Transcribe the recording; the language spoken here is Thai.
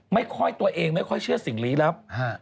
ไม่ค่อยตัวเองไม่ค่อยเชื่อสิ่งลี้ลับ